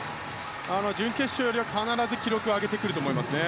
準決勝よりは必ず記録を上げてくると思います。